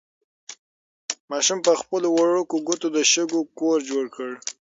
ماشوم په خپلو وړوکو ګوتو د شګو کور جوړ کړ.